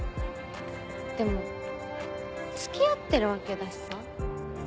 でも付き合ってるわけだしさ。